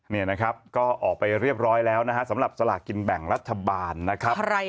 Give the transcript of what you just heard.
นี่นะครับก็ออกไปเรียบร้อยแล้วนะฮะสำหรับสลากกินแบ่งรัฐบาลนะครับ